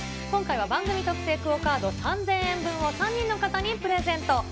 今回は番組特製クオカード３０００円分を３人の方にプレゼント。